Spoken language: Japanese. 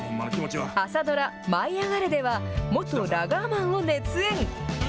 朝ドラ、舞いあがれ！では元ラガーマンを熱演。